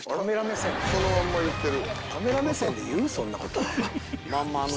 そのまんま言ってる。